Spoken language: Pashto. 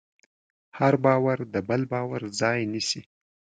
هر باور د بل باور ځای نيسي.